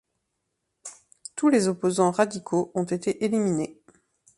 Tous les opposants radicaux ont été éliminés.